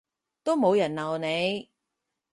都冇人鬧你